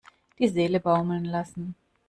Die Seele baumeln lassen.